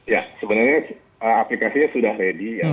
ya sebenarnya aplikasinya sudah lady ya